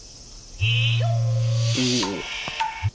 おお。